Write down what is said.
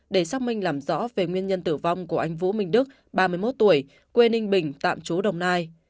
để xác minh làm rõ về nguyên nhân tử vong của anh vũ minh đức ba mươi một tuổi quê ninh bình tạm chú đồng nai